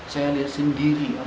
saya lihat sendiri